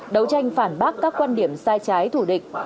đấu tranh phản bác các quan điểm sai trái thủ địch